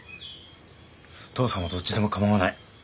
父さんはどっちでも構わない。